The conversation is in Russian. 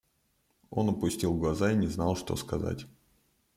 Он опустил глаза и не знал, что сказать.